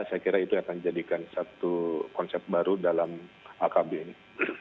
saya kira itu akan jadikan satu konsep baru dalam akb ini